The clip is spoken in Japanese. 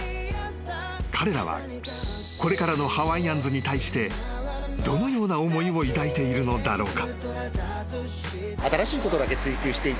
［彼らはこれからのハワイアンズに対してどのような思いを抱いているのだろうか？］